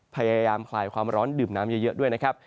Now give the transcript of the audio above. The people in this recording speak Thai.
คลายความร้อนดื่มน้ำเยอะด้วยนะครับ